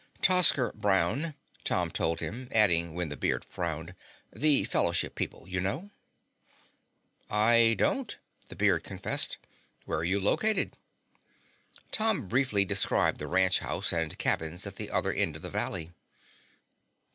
"Tosker Brown," Tom told him, adding when the beard frowned, "the Fellowship people, you know." "I don't," the beard confessed. "Where are you located?" Tom briefly described the ranch house and cabins at the other end of the valley.